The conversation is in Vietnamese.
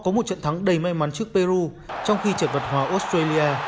họ có một trận thắng đầy may mắn trước peru trong khi trận vật hòa australia